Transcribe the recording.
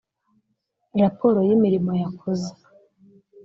raporo y imirimo yakoze